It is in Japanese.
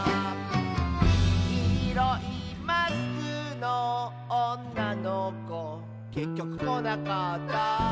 「きいろいマスクのおんなのこ」「けっきょくこなかった」